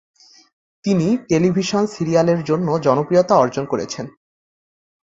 তিনি টেলিভিশন সিরিয়ালের জন্য জনপ্রিয়তা অর্জন করেছেন।